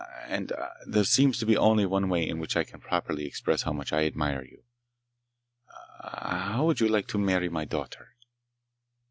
And ... ah ... there seems to be only one way in which I can properly express how much I admire you. Ah— How would you like to marry my daughter?"